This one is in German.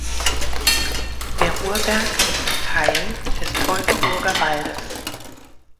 Der Urberg ist Teil des Teutoburger Waldes.